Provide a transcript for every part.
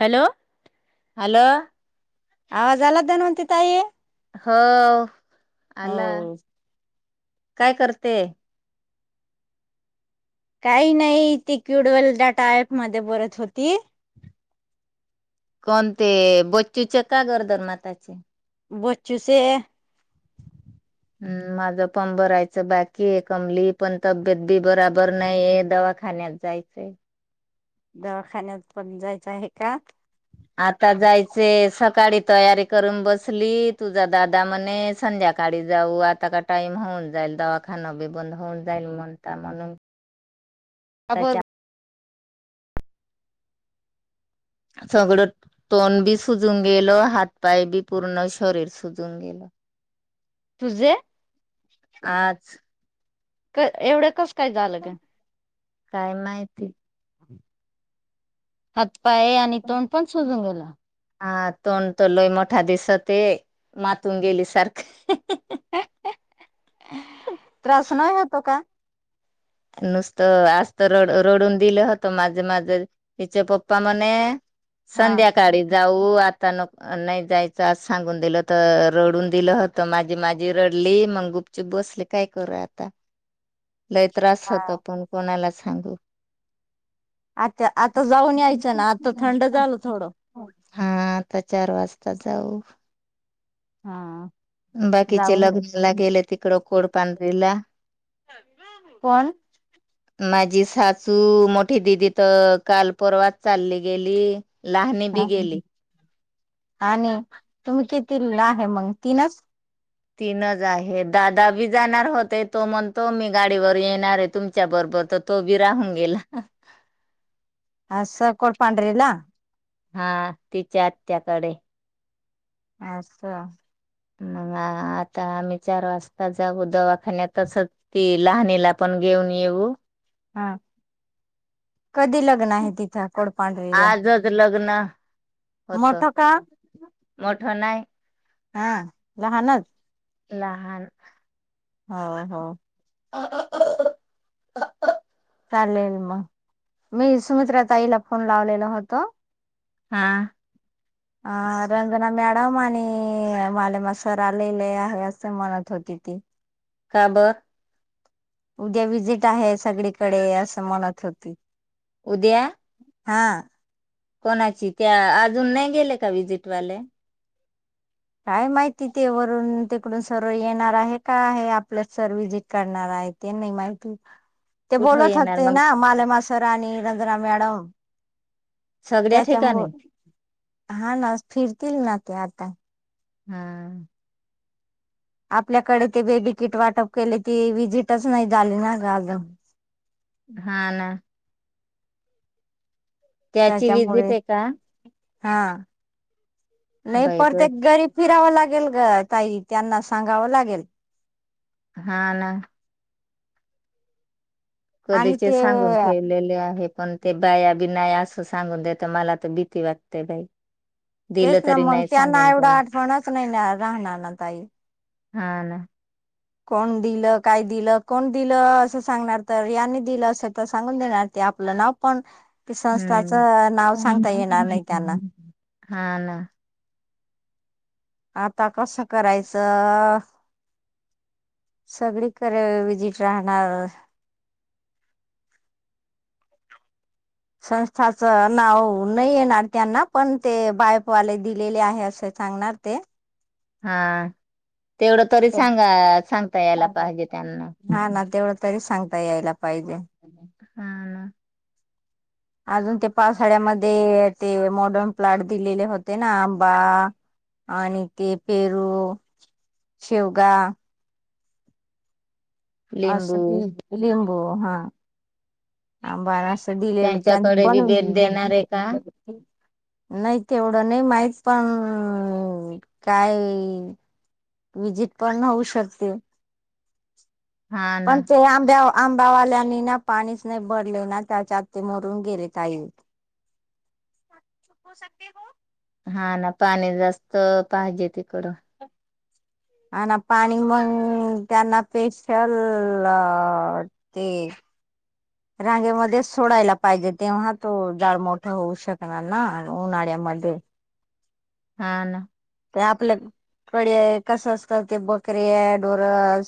Hello. Hello. आवाज आला धन्वंती ताई? हो आला होऊ काय करते? काही नाही ती क्युडवेल डाटा ऍप मध्ये बोलत होती. कोणते बच्चूचे का गर्दनमाताचे. बचूचे. हम् माझं पण भरायचं बाकी आहे कमली पण तब्येत बी बराबर नाहीय दवा खा. न्यात जायचं. दवाखान्यात पण जायचं आहे का? आता जायचे सकाळी तयारी करून बसली तुझा दादा मणे संध्याकाळ. काळी जाऊ आता का टाइम होऊन जाईल दवाखाना बी बंद होऊन जाईल म्हणता म्हणून. [inaudible] का बर आताच्या सगळं तोंड बी सुजून गेलं हातपाय बी पूर्ण शरीर सुजून गेलं. तुझे? आज. क एवढं कसं काय झालं ग. काय माहिती? हातपाय आणि तोंड पण सोजून गेला. ह तोंड तो लोय मोठा दिसत मातून गेली सारखं. त्रास नाही होतो का? नुसतं आजत रड रडून दिलं होतं माझे माझे तिचे पप्पा मणे. हा. संध्याकाळी जाऊ आ नाही जायचं अस सांगून दिलं तर रडून दिलं होत माझी माझी रडली मग. चुपचप बसले काय करू आता. [unintelligible] लय त्रास होतो हा. आपण कोणाला सांगू. आता आता जाऊन यायचं ना आता थंड झालं थोडं. हा आता चार वाजताच. जाऊ हा! बाकीचे जाऊन लग्नाला गेले तिकडं कोड पांढरीला. कोण? माझी सासू मोठी दिदी तर काल परवाच चालली गेली. लहाणी बी गेली. आणि तुम्ही किती आहे मग तीनच. तीनच आहे दादा बी जाणार होते तो म्हणतो मी गाडीवर येणार आहे तुमच्या बरोबर. ब तो बी राहून गेला. [unintelligible] पांढरी ला. हा तिच्या आत्याकडे. अच्छा! मग आता आम्ही चार वाजता जाऊ दवाखान्यातच ती लहाणीला पण. घेऊन येऊ. हा कधी लग्न आहे तिथं कोडपांढरीला. ना. मोठं का. मोठं नाही. हा लहानच. लहान. होा हो. [unintelligible] चालेल मग मी सुमित्रा तईला फोन लावलेल होतो. हा रंगनाम्या. मा आणि माले मशर आलेले आहे म्हणत होती ती. का बर उद्या व्हिजिट आहे सगळीकडे असं म्हणत होती उद्या हा कोणाची त्या अजून नाही गेले का व्हिजिट वाले काय माहिती ते वरून तिकडून सर्व येणार आहे का आहे आपलं सर व्हिजिट करणार आहे ते नाही माहिती ते कुठं बोलत येणार असते मग ना माले मासर आणि रजनाम मॅडम सगळ्या त्याच्यामु ठिकाणी हा ना फिरतील ना ते आता हम्म आपल्याकडे ते बेबीकीट वाटप केले ती विजिटच नाही झाली ना ग अजून हा ना त्याची त्याच्यामुळे विजिट आहे का हा नाही बाई पडते ग गारी फिरावं लागेल ग ताई त्यांना सांगावं लागेल हा ना आणि कधीचे ते सांगून ठेवलेले आहे पण ते बाया बिनाया अस सांगून देत मला तर भीती वाटते बाई तेच दिलं ना तरी मग नाही त्यांना सांगून एवढं त्यानी आठवणच नाही राहणार ना ताई हा ना कोण दिलं काय दिलं कोण दिलं असं सांगणार तर यांनी दिलं असं तर सांगून देणार आपलं ना पण संस्थाच हम्म नाव सांगता येणार नाही त्यांना हा ना आता कसं करायचं सगळीकडे विजिट राहणार [inaudible] संस्थाच नाव नाही येणार त्यांना पण ते बायपवाले दिलेले आहे असे सांगणार ते हा तेवढं तरी सांगा सांगता यायला पाहिजे त्यांना हा ना तेवढं तरी सांगता यायला पाहिजे हा ना अजून ते पावसाळ्यामध्ये ते मॉडर्न प्लॉट दिलेले होते ना आंबा आणि ते पेरू शेवगा आ सी लिंबू लिंबो हा आंबारा असं दिलेलं त्या त्यांच्याकडे बी बनवून दि भेट देणार आहे का नाही तेवढं नाही माहित पण काय विजिट पण नऊ शकते हा ना पण ते आंब्या आंबावाल्यांनी ना पाणीच नाही बरले ना त्याच्या आ ते मरून गेलेतई चूप हो सकते हो हा ना पाणी जास्त पाहिजे तिकडं आणि पाणी मंग त्यांना पेशल ते रांगेमध्ये सोडायला पाहिजे तेव्हा तो जाड मोठा होऊ शकणार ना उन्हाळ्या मध्ये हा ना ते आपलं कडे कस असतं ते बकरी डोर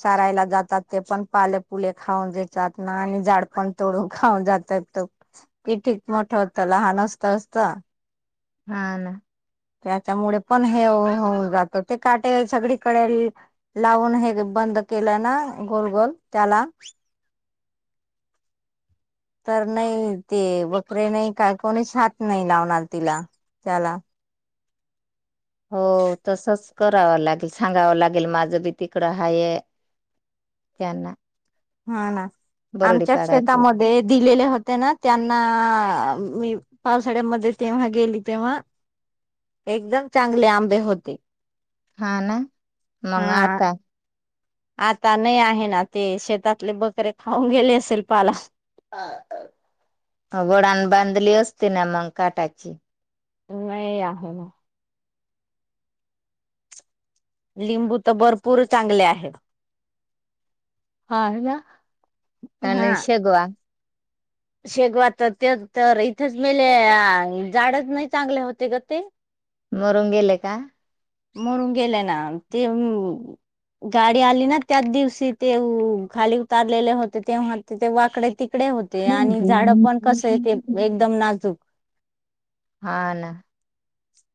सारायला जातात ते पण पाले पुुले खाऊेत ना आणि झाड पण तोड खाऊन जातात कि ठीक मोठं होत लहान असस्त असस्ता हा ना त्याच्यामुळे पण हे होहोऊन जातं, ते काटे सगळीकडे लावून हे ब बंद केला ना, गोलगोल त्याला तर नाही, ते बकरे नाही काय, कोणीच हात नाही लावणार तिला. त्याला हो तसच करावं लागेल, सांगावं लागेल, माझं बी तिकडं हाय त्यांना हा, ना, बरडी आमच्याच पाडायची शेतामध्ये दिलेले होते ना त्यांना मी पावसाळ्यामध्ये तेव्हा गेली तेव्हा एकदम चांगले आंबे होते. हा, ना, मंग हा आता? आता नाही आहे ना, ते शेतातले बकरे खाऊन गेले असेल पाला. वडान बांधली असती ना, मग काटाची. नाही, आहे ना लिंबू तर भरपूर चांगले आहे. हा, ना, हा अन शेगवा शेगवा त ते तरर इथच मेल झाडच नाही चांगले होते ग ते. मरून गेले का? मरुन गेले ना ते गाडी आली ना त्याच दिवशी ते खाली उतारलेले होते तेंव्हा ते वाकडे त इकडे होते आणि झाडं पण कस ते एकदम नाजूक हा, ना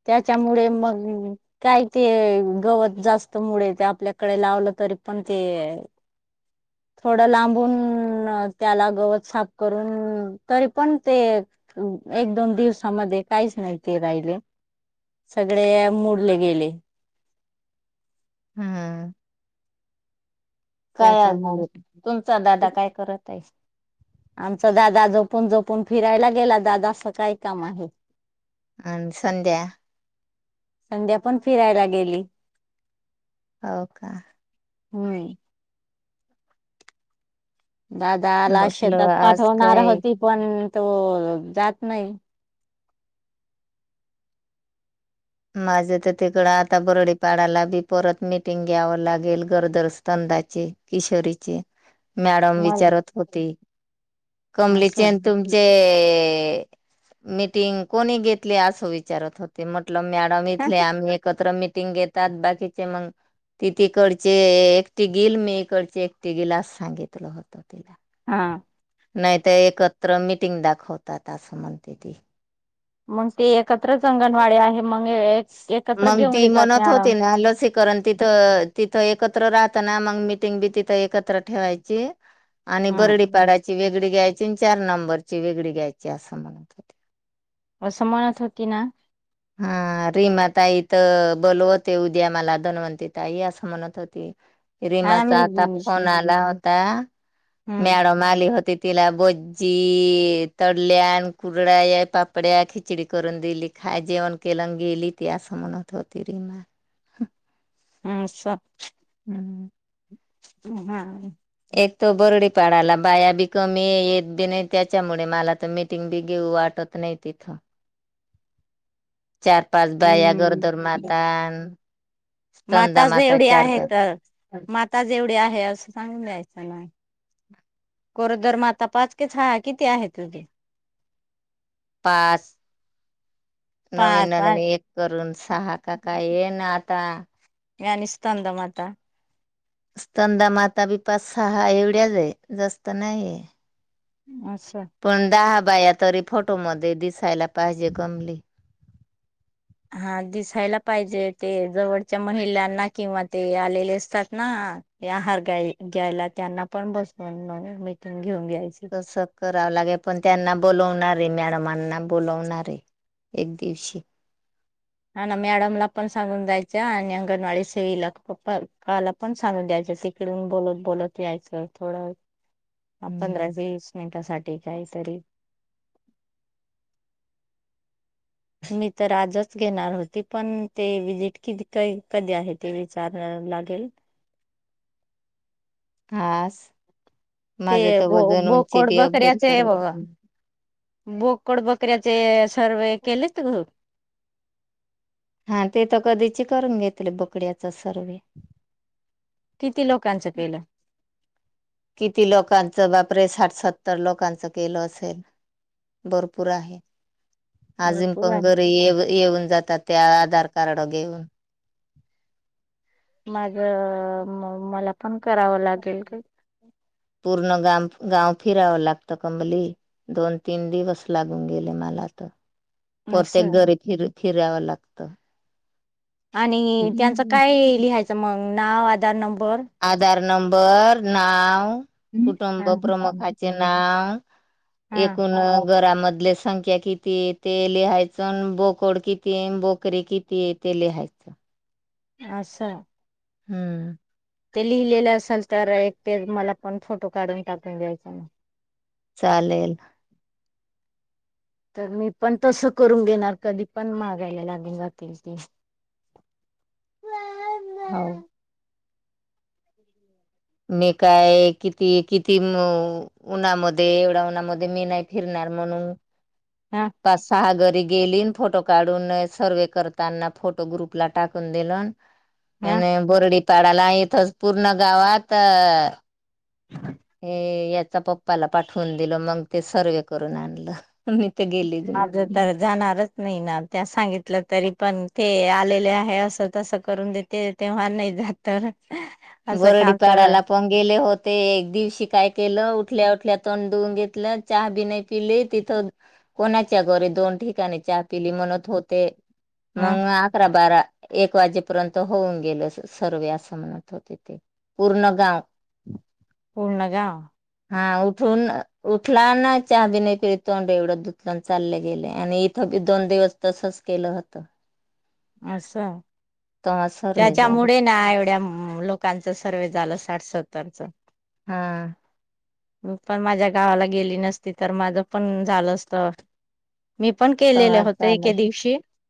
त्याच्यामुळे, मग काय ते गवत जास्तमुळे ते आपल्याकडे लावलं तरी पण ते [unintelligible] थोडं लांबून, त्याला गवत साफ करून, तरी पण ते एक दोन दिवसामध्ये काहीच नाही ते राहिले. सगळे मोडले गेले. हम्म काय अजून, त्याच्यामुळे तुमचा दादा काय करत आहे? आमचा दादा झोपून, झोपून फिरायला गेला दादा असं काय काम आहे? अन, संध्या संध्या पण फिरायला गेली. हो, का? होय दादाला म्हटलं शेतात आज पाठवणार काय होती, पण तो जात नाही. माझं तर तिकडं आता बरडीपाडाला बी परत मिटिंग घ्यावं लागेल गरोदर, स्तन डाचे, किशोरीचे, मॅडम मग विचारत होती असं कमलीचेन, तुमचे मीटिंग कोणी घेतली? असं विचारत होते म लं मॅडम, इथले आम्ही एकत्र मिटिंग घेतात बाकीचे मग ती तिकडचे एकटी घील, मी इकडचे एकटी घील असं सांगितलं होत तिला. हा नाही तर, एकत्र मिटिंग दाखवतात असं म्हणते ती. मग ते एकत्रच अंगणवाडी आहे, मग एकत्र मग, घेऊन ती घेतात म्हणत मॅडम होती ना, लसीकरण तिथं तिथं एकत्र राह पुन्हा मग मिटिंग बी तीथं एकत्र ठेवायचिये आणि बरडी हम्म पाडाची वेगळी घ्यायची तीन, चार, नंबरची वेगळी घ्यायची, असं म्हणत होते. असं, म्हणत होती ना? हा रीमा ताई तर बोलवते उद्या मला, धन्वंती ताई, असं म्हणत होती. हा मी रीमाचा आता फोन आला होता, हम्म मॅडम आली होती. तिला बोची तोडल्या आण कुरडा या पापड्या खिचडी करून देली खाय. जेवण केलं गेली ती असं म्हणत होती रिमा अम स ह् हा. एक तो बरडी पाडाला बाया बी कमी येत बी नाही त्याच्यामुळे मला तर मीटिंग बी घेऊ वाट त नाही तिथं. [inaudible] चार पाच बाया गरोदर हम्म माता. स्तनदा माताच माता एवढी चार आहे पाच तर माताज एवढी आहे असं सांगून दयचं ना. हम. गरोदर म आता पाच की सहा किती आहे तुझी पाच. नवीन पाच नवीन एक करून सहा काका ये ना आता. स्तनदा माता. स्तंदा मातापिपा सहा एवढ्याच आहे जास्त नाहीये. अच्छा. पण दहा बाया तरी फोटोमध्ये दिसायला पाहिजे गमली. हा दिसायला पाहिजे ते जवळच्या महिलांना किंवा ते आलेले असतात ना. ह ते आहारा घ्यायला त्यांना पण बसटिंग कस करावं लागेल पण त्यांना बोलावणार. तरी मॅडमांना बोलावणारे एक दिवशी हा ना मॅडमला पण सांगून द्यायच्या आणि अंगणवाडी सेवीला पप्पा काला पण सांगून द्यायच. तिकडून बोलत बोलत यायचं थोडं पंधरा हम्म वीस मिनटासाठी काही तरी मी तर आजच घेणार होती पण ते विजिट क कधी आहे ते विचारणार. लागेल. आस. ते ब बोकड बकऱ्याच आहे करायच बबा बोकड बक बकऱ्याचे सर्वे केलेच. हा ते तर कधीच करून घेतले बोकड्याचे सर्वे किती लोक. किती लोकांच बापरे साठसत्. सतर लोकांच केलं असेल भरपूर आहे. आजिम भरपूर पण आहे घरी ये येऊन जातात त्या आधार कार्ड व घेऊन माझ मला पण करावं लागेल का? पूर्ण गाम गाव फिरावं लागतं कंबली दोन तीन दिवस लागून गेले मला तर प्रत्येक असं घरी फिर फिरावं लागत. आणि त्यांचं काय लिहायचं मग नाव आधार नंबर आधार नंबर नाव कुटुंब हा प्रमुखाचे नाव एकूण घरामध्ये मधले संख्या किती आहे ते लिहायच बोकोड किती आहे बोकडी किती आहे ते लिहायच. अच्छा. हम्म. ते लिहिलेले असल तर एक तेे मला पण फोटो काढून टाकून द्यायच ना. चालेल. तर मी पण तसं करून घेणार कधी पण मागायला लागून जातील ते ह हो मी काय किती किती उन्हामध्ये एवढ्या उन्हामध्ये मी नाही फिर नाही म्हण हा पाच सहा घर गेली फोटो काढून सर्वे करताना फोटो ग्रुपला टाकून दिलन हा आणि बोरडीपाडाला इथच पूर्ण गावात हे याचा पप्पाला पाठवून दिलं मग ते सर्वे करून आणलं मी तर गेलीच नाही माझ तर जाणारच नाही ना त्या सांगितलं तरी पण ते आलेले आहे असं तसं करून देत तेव्हा नाही जात तर असं का तर बरडीपाडाला पण गेले होत ते एक दिवशी काय केलं उठल्या उठल्या तंण दुऊून घेतलं चहा बी नाही पिली तिथं कोणाच्या घरी दोन ठिकाणी चहा पिली म्हणत होते ह मग अकरा बारा एक वाजेपर्यंत होऊन गेलं सर्वे असं म्हणत पूर्ण गाव पूर्ण का हा उठून उठला ना चहा बि नाहीरी तोंड एवढं दुतलान चालले गेले आणि इथं दोन दिवस तसच केलं होत असश त त्याच्यामुळे ना एवढ्या लोकांच सर्वे झालं साठ सत्तरच हा पण माझ्या गावाला गेली नसती तर माझं पण झालं असत मी पण केलेलं तेव्हा होते झालं एके दिवशी